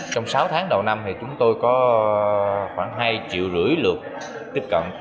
trong sáu tháng đầu năm thì chúng tôi có khoảng hai triệu rưỡi lượt tiếp cận